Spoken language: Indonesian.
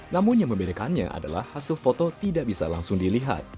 namun yang membedakannya adalah hasil foto tidak bisa langsung dilihat